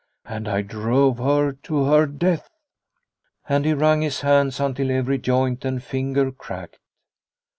And I drove her to her death." And he wrung his hands until every joint and finger cracked.